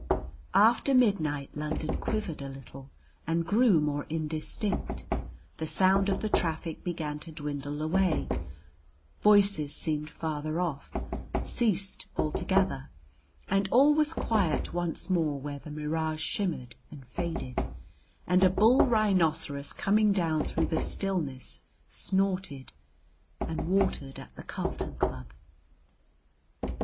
After midnight London quivered a little and grew more indistinct, the sound of the traffic began to dwindle away, voices seemed farther off, ceased altogether, and all was quiet once more where the mirage shimmered and faded, and a bull rhinoceros coming down through the stillness snorted, and watered at the Carlton Club.